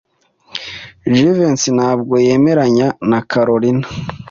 Jivency ntabwo yemeranya na Kalorina.